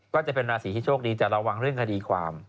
ก็จะเป็นราศีที่โชคดีจะระวังเรื่องคดีความ